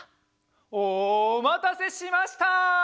おまたせしました！